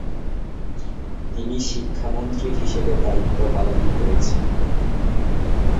তিনি শিক্ষামন্ত্রী হিসেবে দায়িত্বপালন করেছেন।